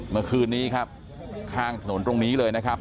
เมื่อคืนนี้ครับข้างถนนตรงนี้เลยนะครับ